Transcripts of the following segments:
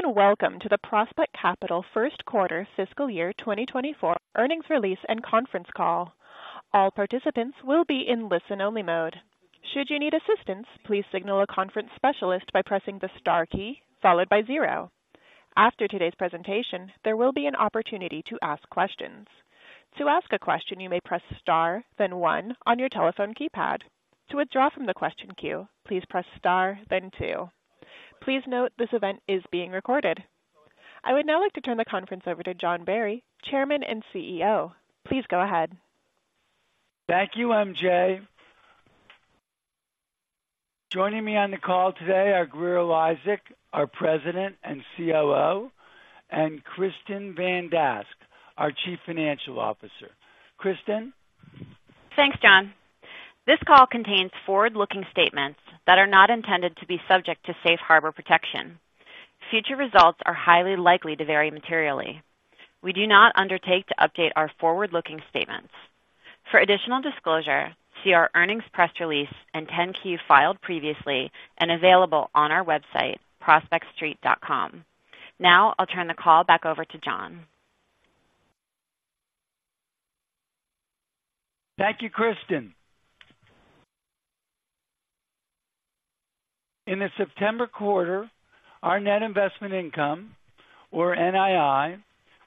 Hello, and welcome to the Prospect Capital First Quarter Fiscal Year 2024 Earnings Release and Conference Call. All participants will be in listen-only mode. Should you need assistance, please signal a conference specialist by pressing the star key followed by zero. After today's presentation, there will be an opportunity to ask questions. To ask a question, you may press star, then one on your telephone keypad. To withdraw from the question queue, please press star, then two. Please note, this event is being recorded. I would now like to turn the conference over to John Barry, Chairman and CEO. Please go ahead. Thank you, MJ. Joining me on the call today are Grier Eliasek, our President and COO, and Kristin Van Dask, our Chief Financial Officer. Kristin? Thanks, John. This call contains forward-looking statements that are not intended to be subject to Safe Harbor protection. Future results are highly likely to vary materially. We do not undertake to update our forward-looking statements. For additional disclosure, see our earnings press release and 10-Q filed previously and available on our website, prospectstreet.com. Now I'll turn the call back over to John. Thank you, Kristin. In the September quarter, our net investment income, or NII,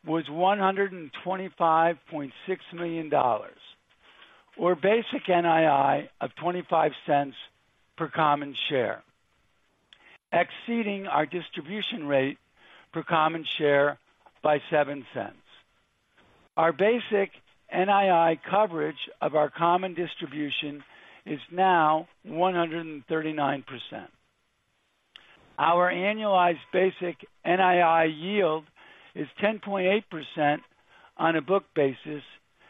was $125.6 million, or basic NII of $0.25 per common share, exceeding our distribution rate per common share by $0.07. Our basic NII coverage of our common distribution is now 139%. Our annualized basic NII yield is 10.8% on a book basis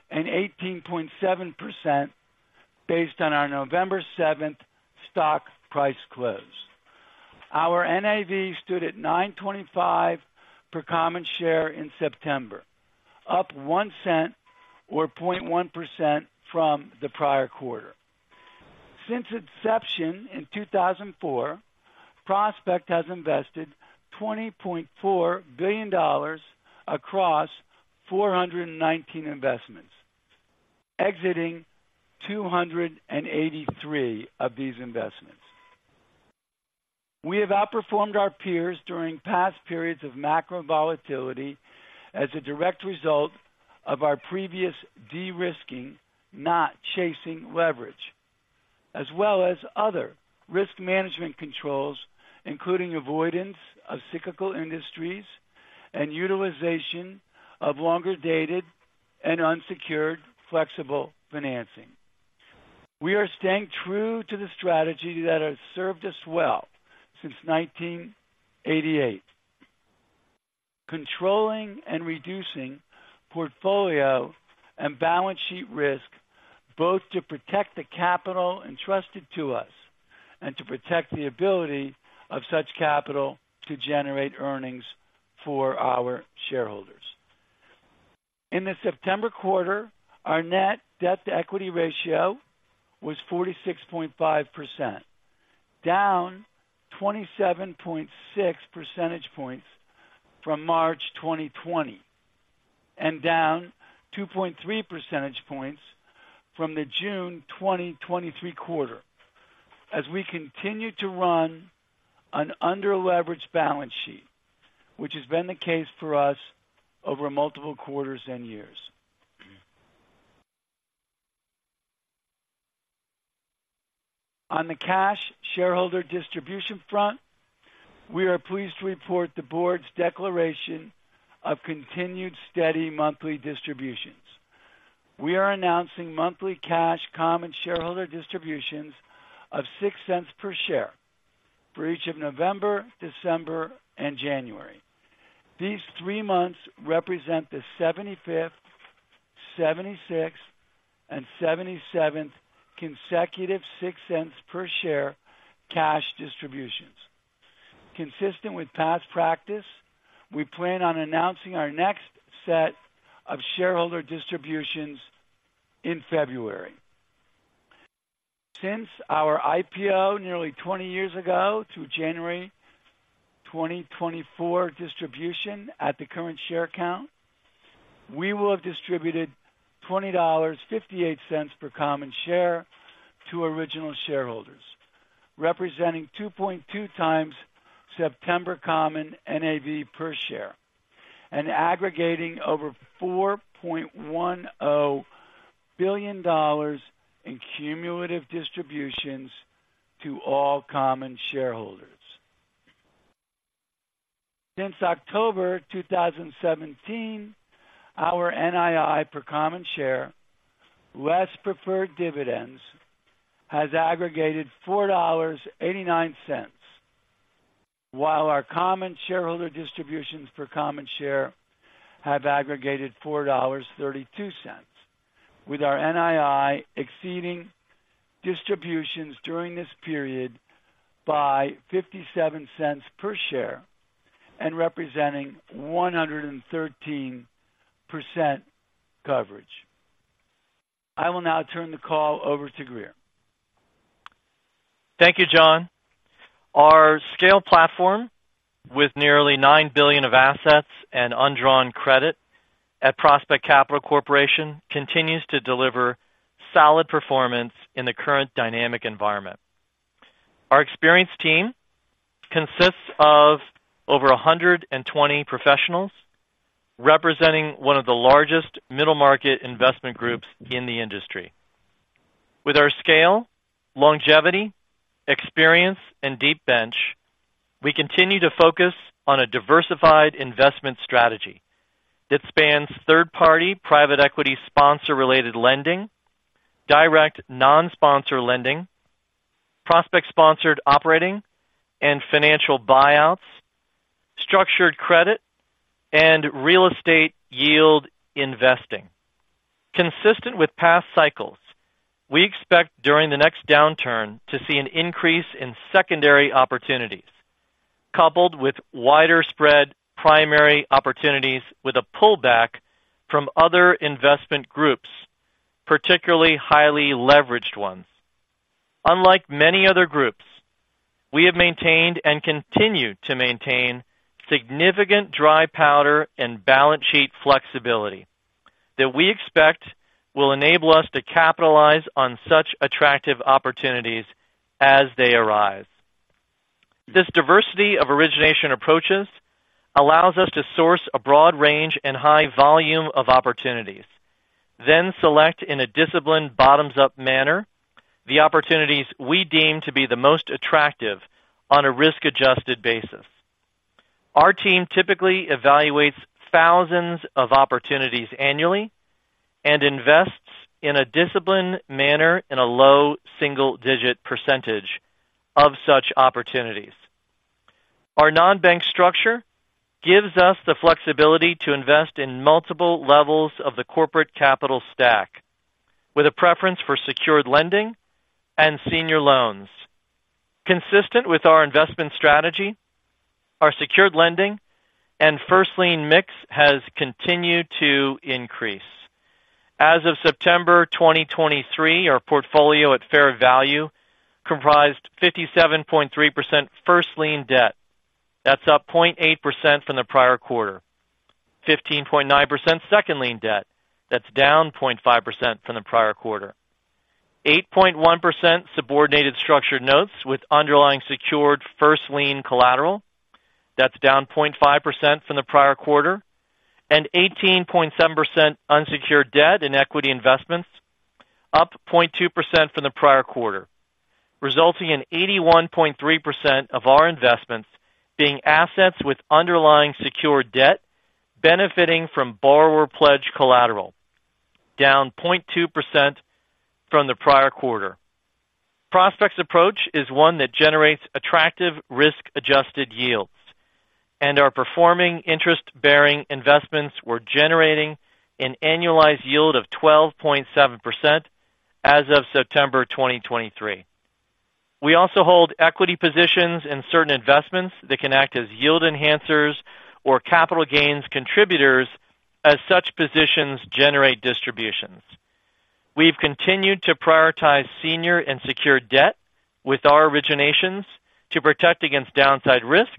and 18.7% based on our November 7th stock price close. Our NAV stood at $9.25 per common share in September, up $0.01, or 0.1% from the prior quarter. Since inception in 2004, Prospect has invested $20.4 billion across 419 investments, exiting 283 of these investments. We have outperformed our peers during past periods of macro volatility as a direct result of our previous de-risking, not chasing leverage, as well as other risk management controls, including avoidance of cyclical industries and utilization of longer-dated and unsecured flexible financing. We are staying true to the strategy that has served us well since 1988: controlling and reducing portfolio and balance sheet risk, both to protect the capital entrusted to us and to protect the ability of such capital to generate earnings for our shareholders. In the September quarter, our net debt-to-equity ratio was 46.5%, down 27.6 percentage points from March 2020, and down 2.3 percentage points from the June 2023 quarter as we continue to run an under-leveraged balance sheet, which has been the case for us over multiple quarters and years. On the cash shareholder distribution front, we are pleased to report the board's declaration of continued steady monthly distributions. We are announcing monthly cash common shareholder distributions of $0.06 per share for each of November, December, and January. These three months represent the 75th, 76th, and 77th consecutive $0.06 per share cash distributions. Consistent with past practice, we plan on announcing our next set of shareholder distributions in February. Since our IPO nearly 20 years ago to January 2024 distribution at the current share count, we will have distributed $20.58 per common share to original shareholders, representing 2.2 times September common NAV per share and aggregating over $4.1 billion in cumulative distributions to all common shareholders. Since October 2017, our NII per common share, less preferred dividends, has aggregated $4.89, while our common shareholder distributions per common share have aggregated $4.32, with our NII exceeding distributions during this period by $0.57 per share and representing 113% coverage. I will now turn the call over to Grier. Thank you, John. Our scale platform, with nearly $9 billion of assets and undrawn credit at Prospect Capital Corporation, continues to deliver solid performance in the current dynamic environment. Our experienced team consists of over 120 professionals, representing one of the largest middle-market investment groups in the industry. With our scale, longevity, experience, and deep bench, we continue to focus on a diversified investment strategy that spans third-party private equity sponsor-related lending, direct non-sponsor lending, Prospect-sponsored operating and financial buyouts, structured credit, and real estate yield investing. Consistent with past cycles, we expect during the next downturn to see an increase in secondary opportunities, coupled with wider spread primary opportunities, with a pullback from other investment groups, particularly highly leveraged ones. Unlike many other groups, we have maintained and continue to maintain significant dry powder and balance sheet flexibility that we expect will enable us to capitalize on such attractive opportunities as they arise. This diversity of origination approaches allows us to source a broad range and high volume of opportunities, then select in a disciplined, bottoms-up manner, the opportunities we deem to be the most attractive on a risk-adjusted basis. Our team typically evaluates thousands of opportunities annually and invests in a disciplined manner in a low single-digit % of such opportunities. Our non-bank structure gives us the flexibility to invest in multiple levels of the corporate capital stack, with a preference for secured lending and senior loans. Consistent with our investment strategy, our secured lending and first-lien mix has continued to increase. As of September 2023, our portfolio at fair value comprised 57.3% first-lien debt. That's up 0.8% from the prior quarter. 15.9% second lien debt. That's down 0.5% from the prior quarter. 8.1% subordinated structured notes with underlying secured first-lien collateral. That's down 0.5% from the prior quarter, and 18.7% unsecured debt and equity investments, up 0.2% from the prior quarter, resulting in 81.3% of our investments being assets with underlying secured debt benefiting from borrower pledged collateral, down 0.2% from the prior quarter. Prospect's approach is one that generates attractive risk-adjusted yields, and our performing interest-bearing investments were generating an annualized yield of 12.7% as of September 2023. We also hold equity positions in certain investments that can act as yield enhancers or capital gains contributors as such positions generate distributions. We've continued to prioritize senior and secured debt with our originations to protect against downside risk,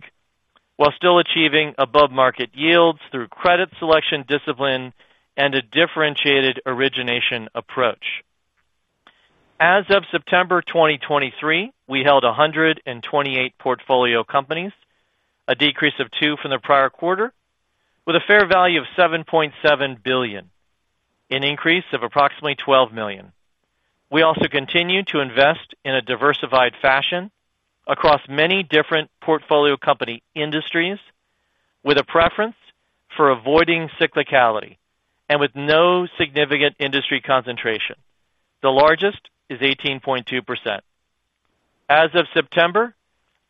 while still achieving above-market yields through credit selection, discipline, and a differentiated origination approach. As of September 2023, we held 128 portfolio companies, a decrease of 2 from the prior quarter, with a fair value of $7.7 billion, an increase of approximately $12 million. We also continue to invest in a diversified fashion across many different portfolio company industries, with a preference for avoiding cyclicality and with no significant industry concentration. The largest is 18.2%. As of September,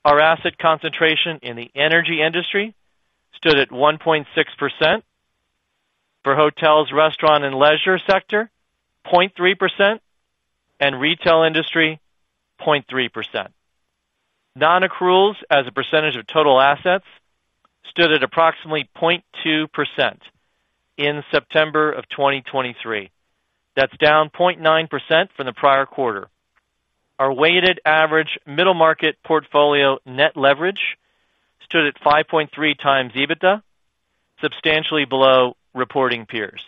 our asset concentration in the energy industry stood at 1.6%. For hotels, restaurant, and leisure sector, 0.3%, and retail industry, 0.3%. Non-accruals, as a percentage of total assets, stood at approximately 0.2% in September of 2023. That's down 0.9% from the prior quarter. Our weighted average middle market portfolio net leverage stood at 5.3x EBITDA, substantially below reporting peers.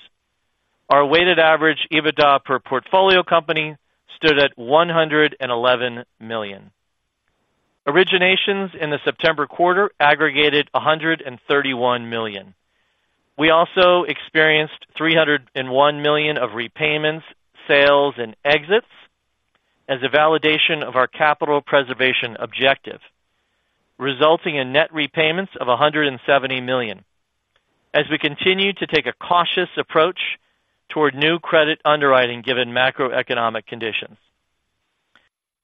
Our weighted average EBITDA per portfolio company stood at $111 million. Originations in the September quarter aggregated $131 million. We also experienced $301 million of repayments, sales, and exits as a validation of our capital preservation objective, resulting in net repayments of $170 million. As we continue to take a cautious approach toward new credit underwriting given macroeconomic conditions.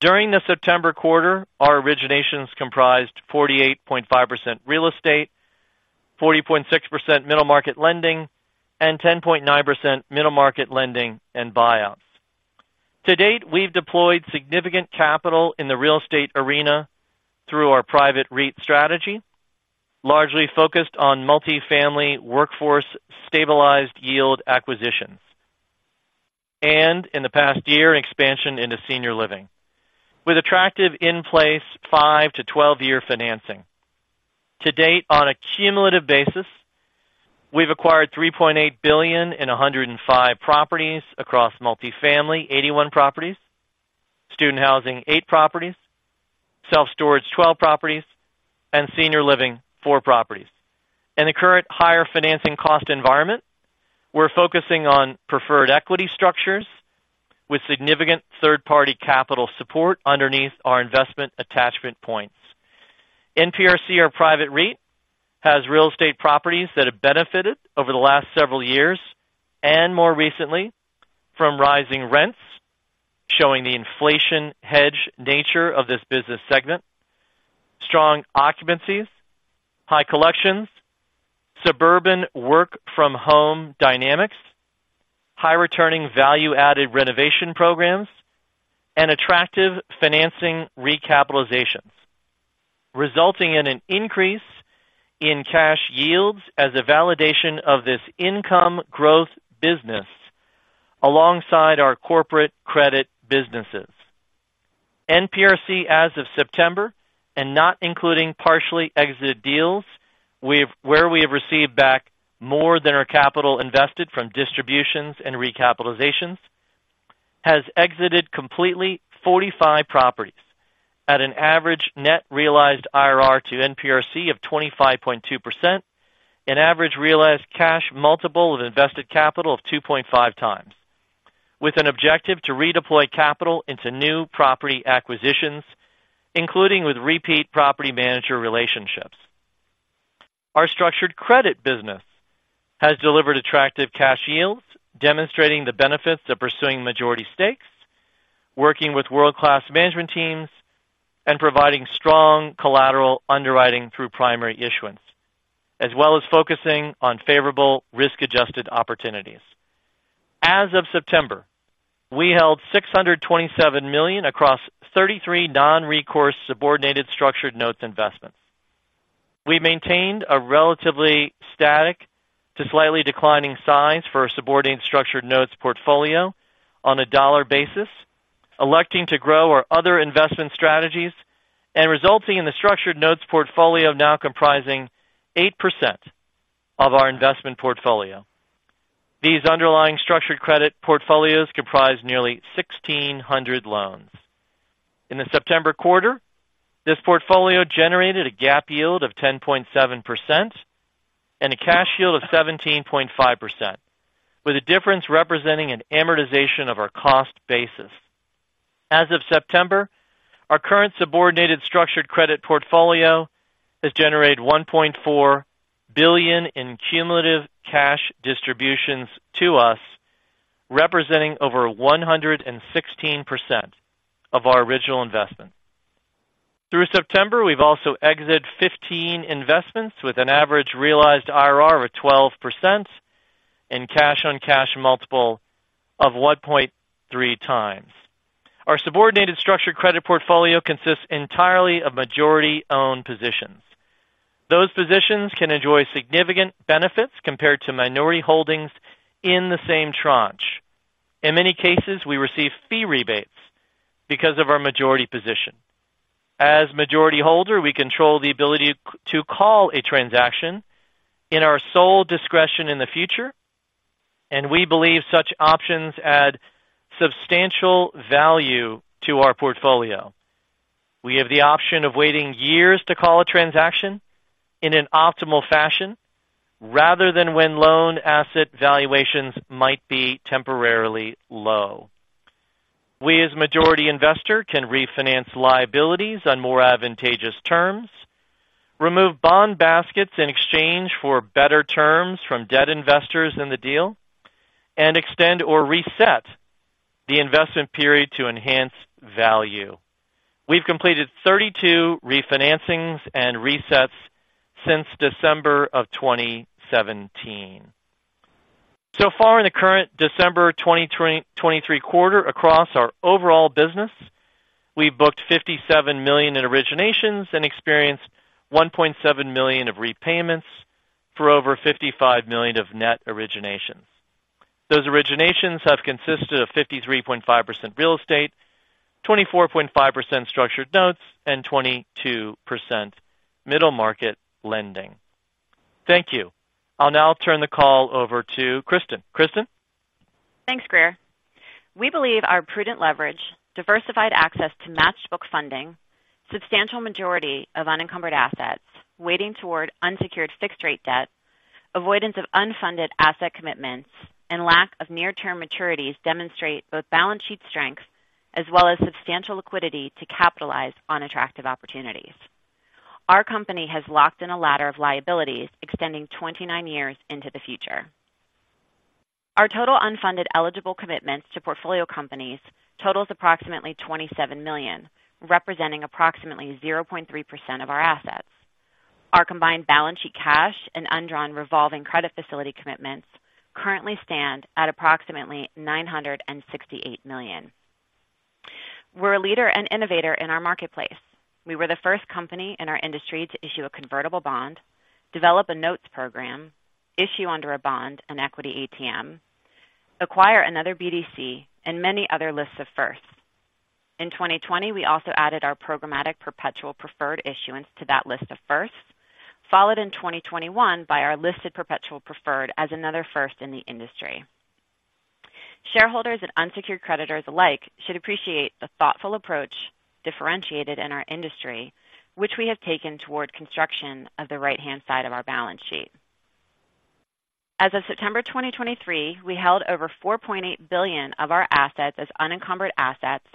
During the September quarter, our originations comprised 48.5% real estate, 40.6% middle market lending, and 10.9% middle market lending and buyouts. To date, we've deployed significant capital in the real estate arena through our private REIT strategy, largely focused on multifamily, workforce-stabilized yield acquisitions, and in the past year, expansion into senior living, with attractive in-place 5- to 12-year financing. To date, on a cumulative basis, we've acquired $3.8 billion in 105 properties across multifamily, 81 properties, student housing, 8 properties, self-storage, 12 properties, and senior living, 4 properties. In the current higher financing cost environment, we're focusing on preferred equity structures with significant third-party capital support underneath our investment attachment points. NPRC, our private REIT, has real estate properties that have benefited over the last several years, and more recently, from rising rents, showing the inflation hedge nature of this business segment, strong occupancies, high collections, suburban work-from-home dynamics, high-returning value-added renovation programs, and attractive financing recapitalizations, resulting in an increase in cash yields as a validation of this income growth business alongside our corporate credit businesses. NPRC, as of September, and not including partially exited deals, we've where we have received back more than our capital invested from distributions and recapitalizations, has exited completely 45 properties at an average net realized IRR to NPRC of 25.2%, an average realized cash multiple of invested capital of 2.5x, with an objective to redeploy capital into new property acquisitions, including with repeat property manager relationships. Our structured credit business has delivered attractive cash yields, demonstrating the benefits of pursuing majority stakes, working with world-class management teams, and providing strong collateral underwriting through primary issuance, as well as focusing on favorable risk-adjusted opportunities. As of September, we held $627 million across 33 non-recourse subordinated structured notes investments. We maintained a relatively static to slightly declining size for our subordinated structured notes portfolio on a dollar basis, electing to grow our other investment strategies and resulting in the structured notes portfolio now comprising 8% of our investment portfolio. These underlying structured credit portfolios comprise nearly 1,600 loans. In the September quarter, this portfolio generated a GAAP yield of 10.7% and a cash yield of 17.5%, with a difference representing an amortization of our cost basis. As of September, our current subordinated structured credit portfolio has generated $1.4 billion in cumulative cash distributions to us, representing over 116% of our original investment. Through September, we've also exited 15 investments with an average realized IRR of 12% and cash-on-cash multiple of 1.3x. Our subordinated structured credit portfolio consists entirely of majority-owned positions. Those positions can enjoy significant benefits compared to minority holdings in the same tranche. In many cases, we receive fee rebates because of our majority position. As majority holder, we control the ability to call a transaction in our sole discretion in the future, and we believe such options add substantial value to our portfolio. We have the option of waiting years to call a transaction in an optimal fashion, rather than when loan asset valuations might be temporarily low. We, as majority investor, can refinance liabilities on more advantageous terms, remove bond baskets in exchange for better terms from debt investors in the deal, and extend or reset the investment period to enhance value. We've completed 32 refinancings and resets since December 2017. So far in the current December 2023 quarter across our overall business, we booked $57 million in originations and experienced $1.7 million of repayments for over $55 million of net originations. Those originations have consisted of 53.5% real estate, 24.5% structured notes, and 22% middle-market lending. Thank you. I'll now turn the call over to Kristin. Kristin? Thanks, Grier. We believe our prudent leverage, diversified access to matched book funding, substantial majority of unencumbered assets, weighting toward unsecured fixed-rate debt, avoidance of unfunded asset commitments, and lack of near-term maturities demonstrate both balance sheet strengths as well as substantial liquidity to capitalize on attractive opportunities. Our company has locked in a ladder of liabilities extending 29 years into the future. Our total unfunded eligible commitments to portfolio companies totals approximately $27 million, representing approximately 0.3% of our assets. Our combined balance sheet, cash, and undrawn revolving credit facility commitments currently stand at approximately $968 million. We're a leader and innovator in our marketplace. We were the first company in our industry to issue a convertible bond, develop a notes program, issue under a bond, an equity ATM, acquire another BDC, and many other lists of firsts. In 2020, we also added our programmatic perpetual preferred issuance to that list of firsts, followed in 2021 by our listed perpetual preferred as another first in the industry. Shareholders and unsecured creditors alike should appreciate the thoughtful approach differentiated in our industry, which we have taken toward construction of the right-hand side of our balance sheet. As of September 2023, we held over $4.8 billion of our assets as unencumbered assets,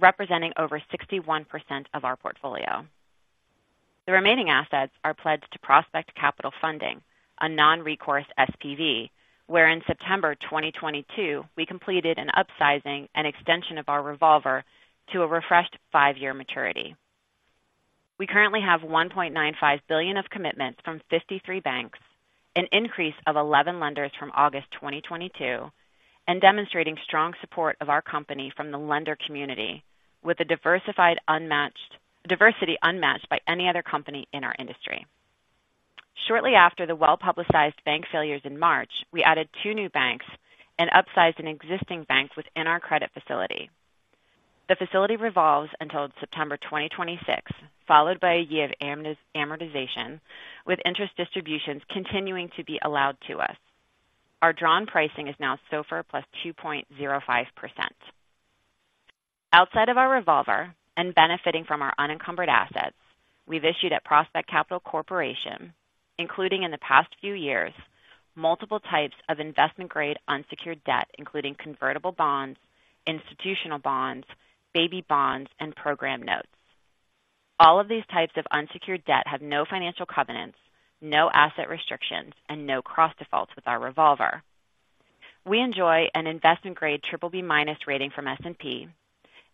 representing over 61% of our portfolio. The remaining assets are pledged to Prospect Capital Funding, a non-recourse SPV, where in September 2022, we completed an upsizing and extension of our revolver to a refreshed 5-year maturity. We currently have $1.95 billion of commitments from 53 banks, an increase of 11 lenders from August 2022, and demonstrating strong support of our company from the lender community with a diversity unmatched by any other company in our industry. Shortly after the well-publicized bank failures in March, we added two new banks and upsized an existing bank within our credit facility. The facility revolves until September 2026, followed by a year of amortization, with interest distributions continuing to be allowed to us. Our drawn pricing is now SOFR + 2.05%. Outside of our revolver and benefiting from our unencumbered assets, we've issued at Prospect Capital Corporation, including in the past few years, multiple types of investment-grade unsecured debt, including convertible bonds, institutional bonds, baby bonds, and program notes. All of these types of unsecured debt have no financial covenants, no asset restrictions, and no cross defaults with our revolver. We enjoy an investment-grade BBB minus rating from S&P,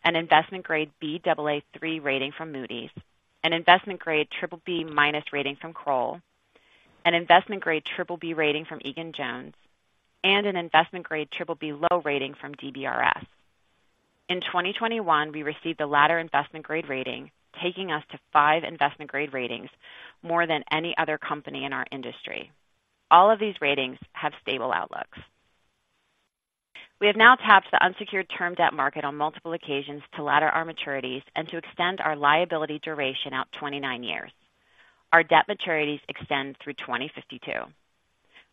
an investment-grade Baa3 rating from Moody's, an investment-grade BBB minus rating from Kroll, an investment-grade BBB rating from Egan-Jones, and an investment-grade BBB low rating from DBRS. In 2021, we received the latter investment-grade rating, taking us to five investment-grade ratings, more than any other company in our industry. All of these ratings have stable outlooks. We have now tapped the unsecured term debt market on multiple occasions to ladder our maturities and to extend our liability duration out 29 years. Our debt maturities extend through 2052.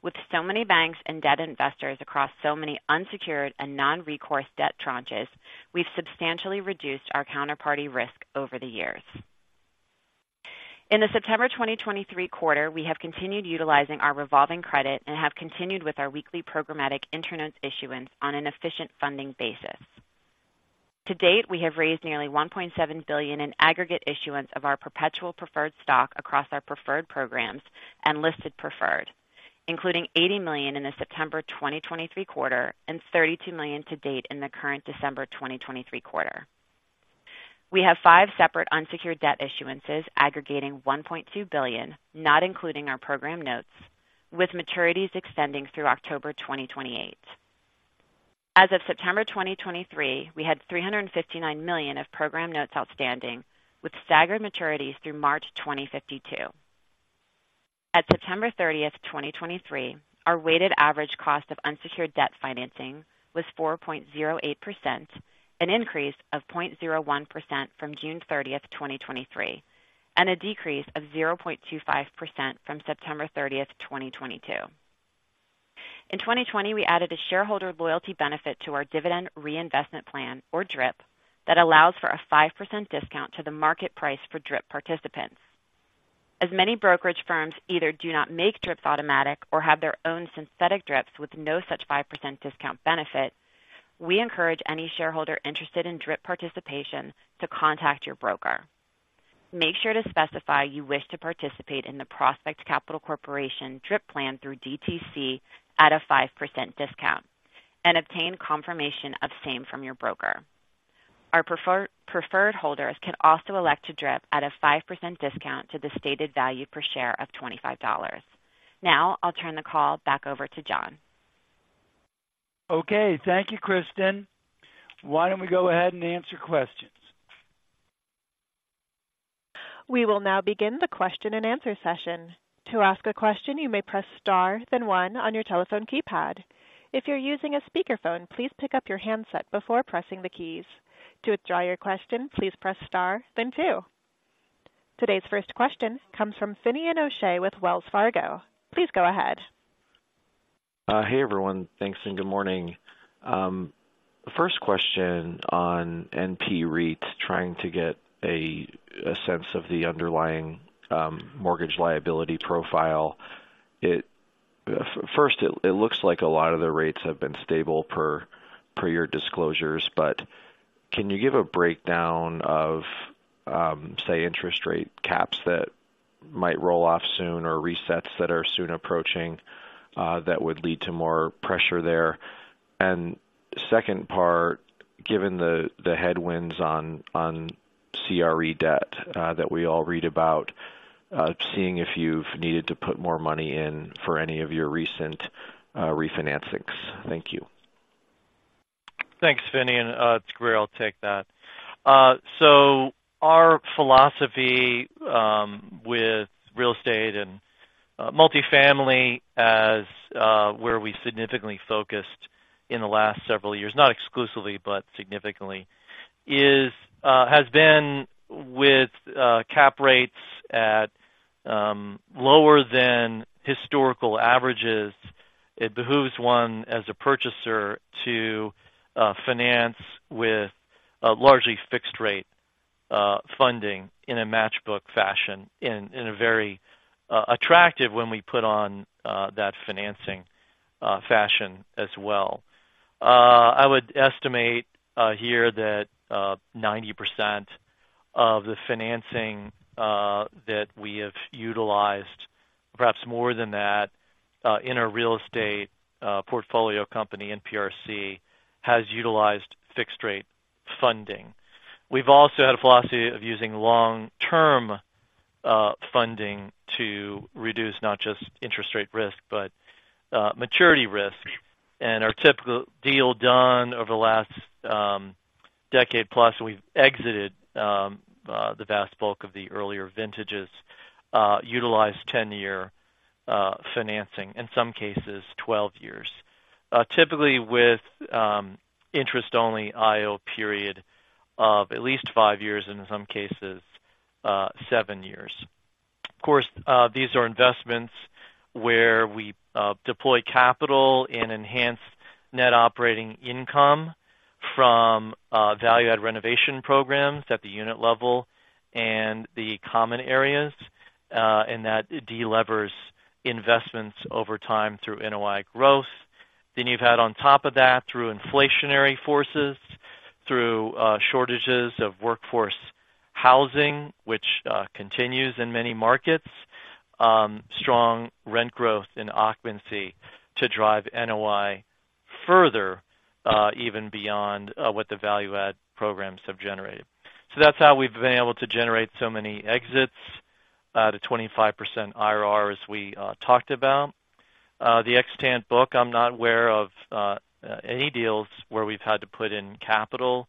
With so many banks and debt investors across so many unsecured and non-recourse debt tranches, we've substantially reduced our counterparty risk over the years. In the September 2023 quarter, we have continued utilizing our revolving credit and have continued with our weekly programmatic program notes issuance on an efficient funding basis. To date, we have raised nearly $1.7 billion in aggregate issuance of our perpetual preferred stock across our preferred programs and listed preferred, including $80 million in the September 2023 quarter and $32 million to date in the current December 2023 quarter. We have five separate unsecured debt issuances aggregating $1.2 billion, not including our program notes, with maturities extending through October 2028. As of September 2023, we had $359 million of program notes outstanding, with staggered maturities through March 2052. At September 30th, 2023, our weighted average cost of unsecured debt financing was 4.08%, an increase of 0.01% from June 30th, 2023, and a decrease of 0.25% from September 30th, 2022. In 2020, we added a shareholder loyalty benefit to our dividend reinvestment plan, or DRIP, that allows for a 5% discount to the market price for DRIP participants. As many brokerage firms either do not make DRIPs automatic or have their own synthetic DRIPs with no such 5% discount benefit, we encourage any shareholder interested in DRIP participation to contact your broker. Make sure to specify you wish to participate in the Prospect Capital Corporation DRIP plan through DTC at a 5% discount and obtain confirmation of same from your broker. Our preferred holders can also elect to DRIP at a 5% discount to the stated value per share of $25. Now I'll turn the call back over to John. Okay, thank you, Kristin. Why don't we go ahead and answer questions? We will now begin the question-and-answer session. To ask a question, you may press Star, then one on your telephone keypad. If you're using a speakerphone, please pick up your handset before pressing the keys. To withdraw your question, please press star, then two. Today's first question comes from Finian O'Shea with Wells Fargo. Please go ahead. Hey, everyone. Thanks, and good morning. First question on NP REITs, trying to get a sense of the underlying mortgage liability profile. First, it looks like a lot of the rates have been stable per your disclosures, but can you give a breakdown of, say, interest rate caps that might roll off soon or resets that are soon approaching, that would lead to more pressure there? And second part, given the headwinds on CRE debt that we all read about, seeing if you've needed to put more money in for any of your recent refinancings. Thank you. Thanks, Finian. It's great, I'll take that. So our philosophy with real estate and multifamily as where we significantly focused in the last several years, not exclusively, but significantly, has been with cap rates at lower than historical averages. It behooves one as a purchaser to finance with a largely fixed rate funding in a matched book fashion, in a very attractive when we put on that financing fashion as well. I would estimate here that 90% of the financing that we have utilized, perhaps more than that, in our real estate portfolio company, NPRC, has utilized fixed rate funding. We've also had a philosophy of using long-term funding to reduce not just interest rate risk, but maturity risk. And our typical deal done over the last, decade, plus, we've exited, the vast bulk of the earlier vintages, utilized 10-year, financing, in some cases 12 years. Typically with, interest-only IO period of at least five years, in some cases, seven years. Of course, these are investments where we, deploy capital in enhanced net operating income from, value-add renovation programs at the unit level and the common areas, and that delevers investments over time through NOI growth. Then you've had on top of that, through inflationary forces, through, shortages of workforce housing, which, continues in many markets, strong rent growth in occupancy to drive NOI further, even beyond, what the value add programs have generated. So that's how we've been able to generate so many exits, the 25% IRR, as we talked about. The extent book, I'm not aware of any deals where we've had to put in capital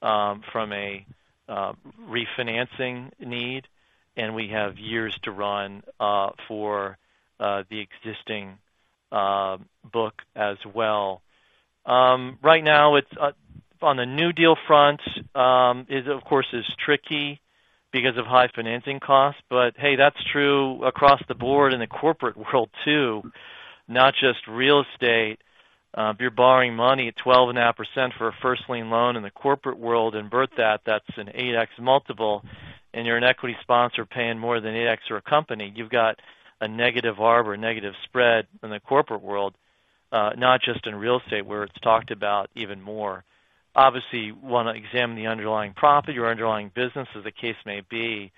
from a refinancing need, and we have years to run for the existing book as well. Right now, it's on the new deal front is of course is tricky because of high financing costs. But hey, that's true across the board in the corporate world, too, not just real estate. If you're borrowing money at 12.5% for a first-lien loan in the corporate world, invert that, that's an 8x multiple, and you're an equity sponsor paying more than 8x for a company. You've got a negative ARB or a negative spread in the corporate world, not just in real estate, where it's talked about even more. Obviously, you want to examine the underlying profit, your underlying business, as the case may be,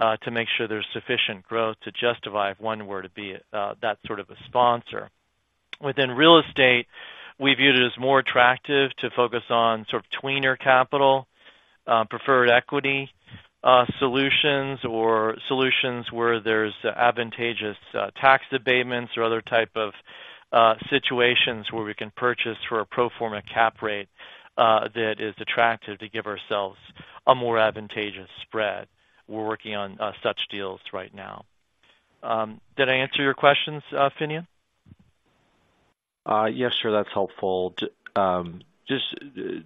to make sure there's sufficient growth to justify if one were to be, that sort of a sponsor. Within real estate, we viewed it as more attractive to focus on sort of tweener capital, preferred equity, solutions or solutions where there's advantageous, tax abatements or other type of, situations where we can purchase for a pro forma cap rate, that is attractive to give ourselves a more advantageous spread. We're working on, such deals right now. Did I answer your questions, Finian? Yes, sure. That's helpful. Just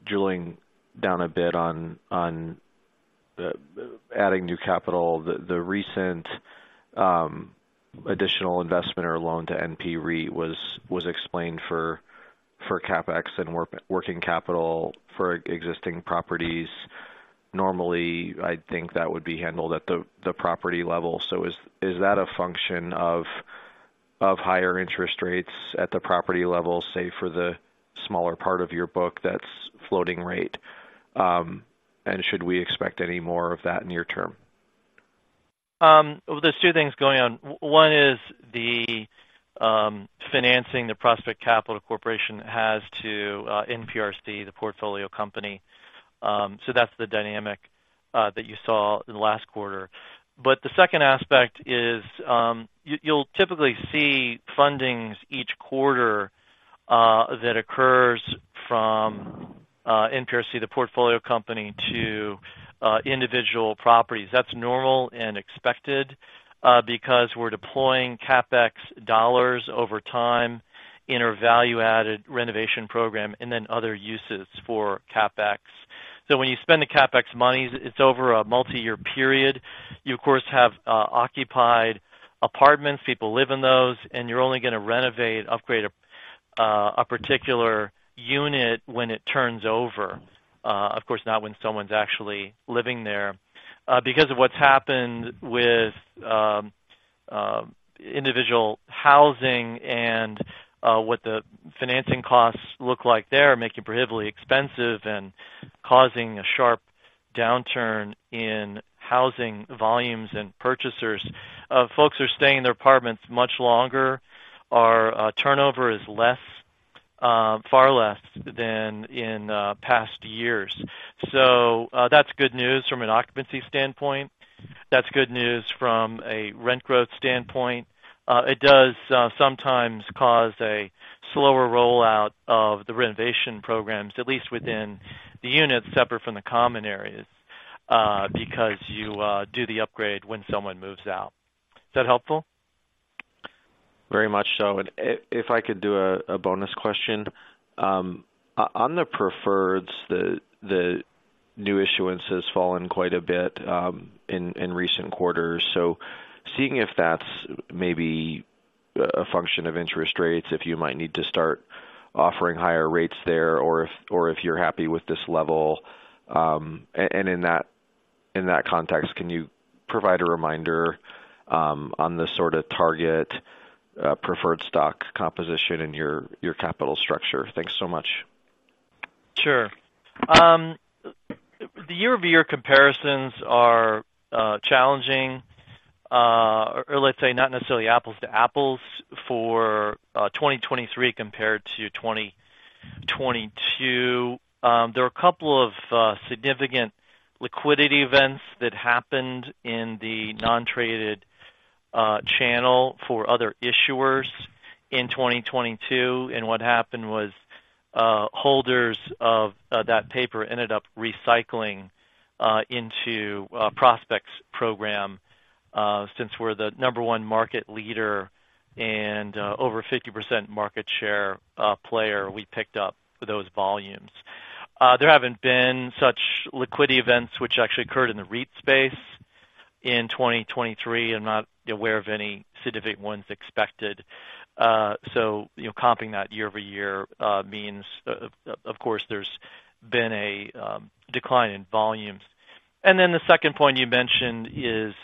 drilling down a bit on adding new capital. The recent additional investment or loan to NP REIT was explained for CapEx and working capital for existing properties. Normally, I'd think that would be handled at the property level. So is that a function of higher interest rates at the property level, say, for the smaller part of your book, that's floating rate? And should we expect any more of that near term? Well, there's two things going on. One is the financing the Prospect Capital Corporation has to NPRC, the portfolio company. So that's the dynamic that you saw in the last quarter. But the second aspect is, you'll typically see fundings each quarter that occurs from NPRC, the portfolio company, to individual properties. That's normal and expected, because we're deploying CapEx dollars over time in our value-added renovation program and then other uses for CapEx. So when you spend the CapEx monies, it's over a multi-year period. You, of course, have occupied apartments. People live in those, and you're only gonna renovate, upgrade a particular unit when it turns over, of course, not when someone's actually living there. Because of what's happened with individual housing and what the financing costs look like there, making prohibitively expensive and causing a sharp downturn in housing volumes and purchasers, folks are staying in their apartments much longer. Our turnover is less, far less than in past years. So, that's good news from an occupancy standpoint. That's good news from a rent growth standpoint. It does sometimes cause a slower rollout of the renovation programs, at least within the units, separate from the common areas, because you do the upgrade when someone moves out. Is that helpful? Very much so. If I could do a bonus question. On the preferreds, the new issuance has fallen quite a bit in recent quarters. Seeing if that's maybe a function of interest rates, if you might need to start offering higher rates there, or if you're happy with this level, and in that context, can you provide a reminder on the sort of target preferred stock composition in your capital structure? Thanks so much. Sure. The year-over-year comparisons are challenging, or let's say, not necessarily apples to apples for 2023 compared to 2022. There were a couple of significant liquidity events that happened in the non-traded channel for other issuers in 2022. And what happened was, holders of that paper ended up recycling into Prospect's program. Since we're the number one market leader and over 50% market share player, we picked up those volumes. There haven't been such liquidity events which actually occurred in the REIT space in 2023. I'm not aware of any significant ones expected. So comping that year-over-year means, of course, there's been a decline in volumes. And then the second point you mentioned is,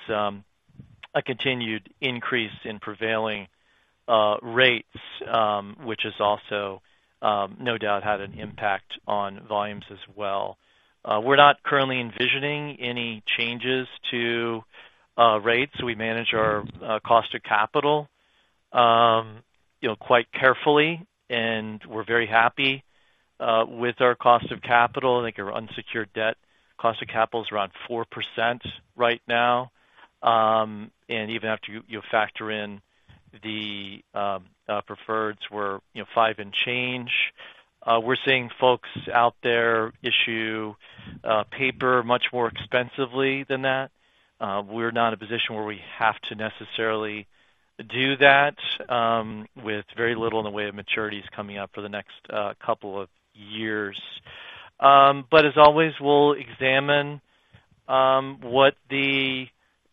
a continued increase in prevailing rates, which has also, no doubt had an impact on volumes as well. We're not currently envisioning any changes to rates. We manage our cost of capital, you know, quite carefully, and we're very happy with our cost of capital. I think our unsecured debt cost of capital is around 4% right now. And even after you factor in the preferreds were, you know, 5% and change. We're seeing folks out there issue paper much more expensively than that. We're not in a position where we have to necessarily do that, with very little in the way of maturities coming up for the next couple of years. But as always, we'll examine what the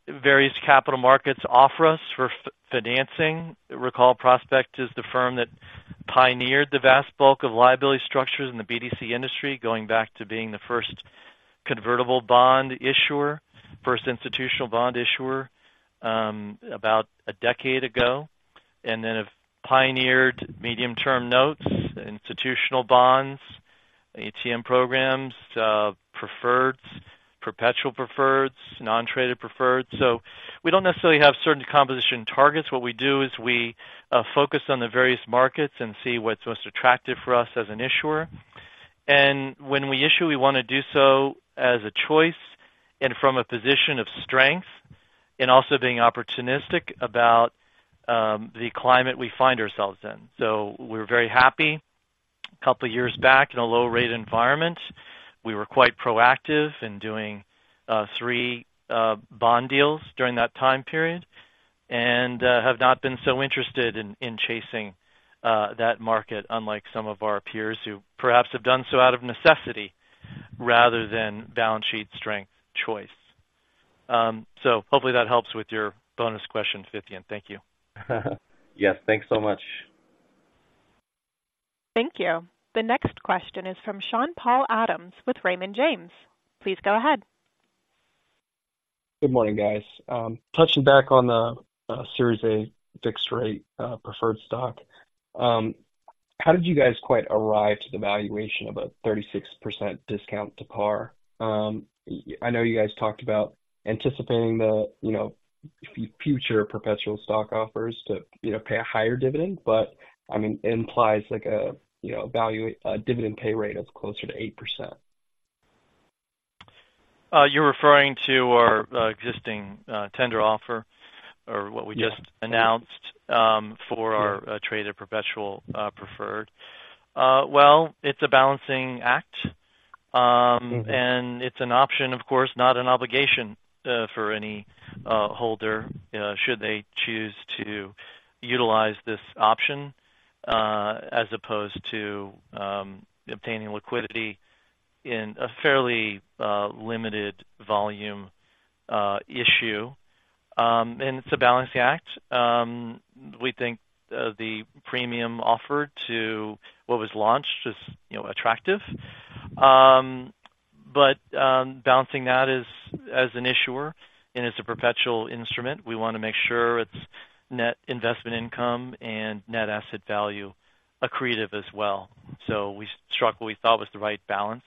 various capital markets offer us for financing. Recall, Prospect is the firm that pioneered the vast bulk of liability structures in the BDC industry, going back to being the first convertible bond issuer, first institutional bond issuer, about a decade ago, and then have pioneered medium-term notes, institutional bonds, ATM programs, preferreds, perpetual preferreds, non-traded preferreds. So we don't necessarily have certain composition targets. What we do is we focus on the various markets and see what's most attractive for us as an issuer. And when we issue, we want to do so as a choice and from a position of strength and also being opportunistic about the climate we find ourselves in. So we're very happy. A couple of years back, in a low-rate environment, we were quite proactive in doing three bond deals during that time period, and have not been so interested in chasing that market, unlike some of our peers, who perhaps have done so out of necessity rather than balance sheet strength choice. So hopefully that helps with your bonus question, Finian. Thank you. Yes, thanks so much. Thank you. The next question is from Sean-Paul Adams with Raymond James. Please go ahead. Good morning, guys. Touching back on the Series A fixed rate preferred stock. How did you guys quite arrive to the valuation of a 36% discount to par? I know you guys talked about anticipating the, you know, future perpetual stock offers to, you know, pay a higher dividend, but I mean, it implies like a, you know, value, a dividend pay rate of closer to 8%. You're referring to our existing tender offer or what we just announced- Yeah. For our traded Perpetual Preferred? Well, it's a balancing act. Mm-hmm. And it's an option, of course, not an obligation, for any holder should they choose to utilize this option, as opposed to obtaining liquidity in a fairly limited volume issue. And it's a balancing act. We think the premium offered to what was launched is, you know, attractive. But balancing that as an issuer and it's a perpetual instrument, we want to make sure it's net investment income and net asset value accretive as well. So we struck what we thought was the right balance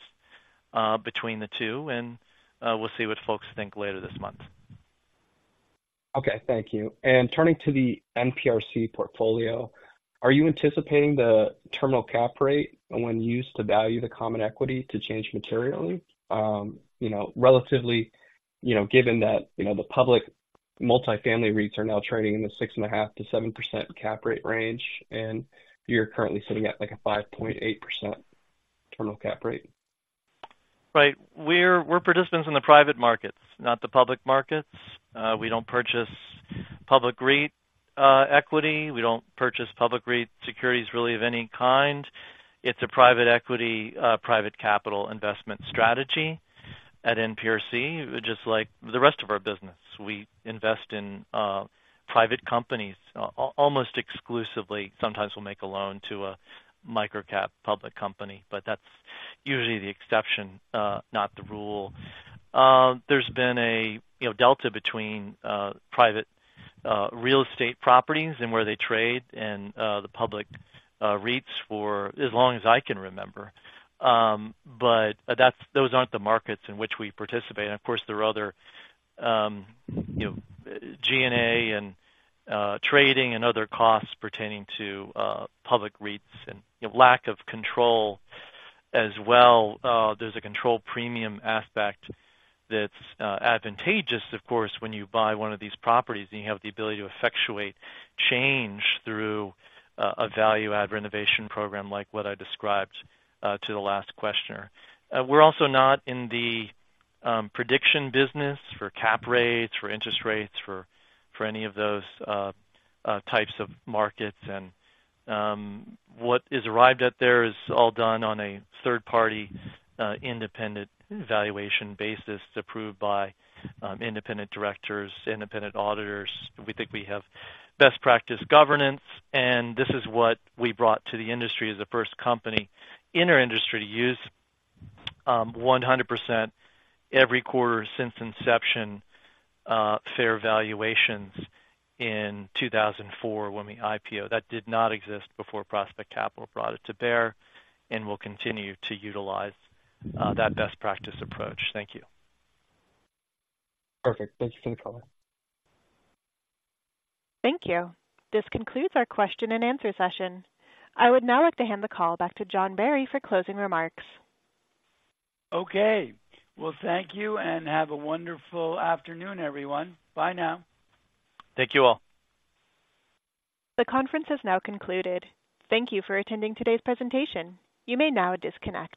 between the two, and we'll see what folks think later this month. Okay, thank you. Turning to the NPRC portfolio, are you anticipating the terminal cap rate when used to value the common equity to change materially? You know, relatively, you know, given that, you know, the public multifamily REITs are now trading in the 6.5%-7% cap rate range, and you're currently sitting at, like, a 5.8% terminal cap rate. Right. We're participants in the private markets, not the public markets. We don't purchase public REIT equity. We don't purchase public REIT securities, really, of any kind. It's a private equity private capital investment strategy at NPRC, just like the rest of our business. We invest in private companies, almost exclusively. Sometimes we'll make a loan to a micro-cap public company, but that's usually the exception, not the rule. There's been a, you know, delta between private real estate properties and where they trade and the public REITs for as long as I can remember. But those aren't the markets in which we participate. And of course, there are other, you know, G&A and trading and other costs pertaining to public REITs and lack of control as well. There's a control premium aspect that's advantageous, of course, when you buy one of these properties, and you have the ability to effectuate change through a value-add renovation program like what I described to the last questioner. We're also not in the prediction business for cap rates, for interest rates, for any of those types of markets. What is arrived at there is all done on a third-party independent valuation basis, approved by independent directors, independent auditors. We think we have best practice governance, and this is what we brought to the industry as the first company in our industry to use 100% every quarter since inception, fair valuations in 2004 when we IPO. That did not exist before Prospect Capital brought it to bear, and we'll continue to utilize that best practice approach. Thank you. Perfect. Thank you for the call. Thank you. This concludes our question-and-answer session. I would now like to hand the call back to John Barry for closing remarks. Okay. Well, thank you, and have a wonderful afternoon, everyone. Bye now. Thank you, all. The conference is now concluded. Thank you for attending today's presentation. You may now disconnect.